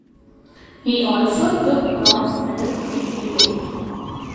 He also took bronze medal in relay.